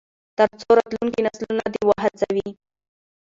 تر څو راتلونکي نسلونه دې ته وهڅوي.